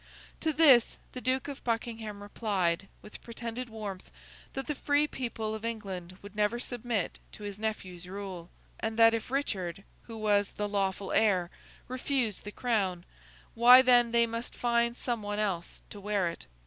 To this the Duke of Buckingham replied, with pretended warmth, that the free people of England would never submit to his nephew's rule, and that if Richard, who was the lawful heir, refused the Crown, why then they must find some one else to wear it.